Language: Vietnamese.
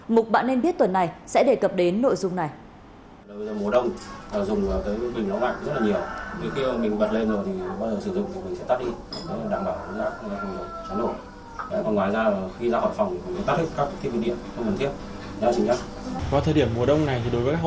mục bạn nên biết tuần này sẽ đề cập đến nội dung này